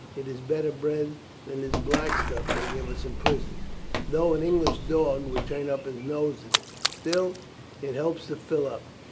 It is better bread than this black stuff they give us in prison. Though an English dog would turn up his nose at it, still it helps to fill up."